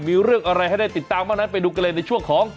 มีเรื่องอะไรให้ได้ติดตามบ้างนั้นไปดูกันเลยในช่วงของ